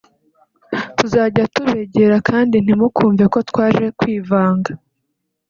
tuzajya tubegera kandi ntimukumve ko twaje kwivanga